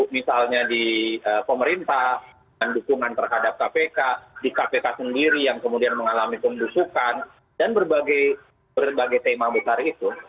misalnya di pemerintah dengan dukungan terhadap kpk di kpk sendiri yang kemudian mengalami pembusukan dan berbagai tema besar itu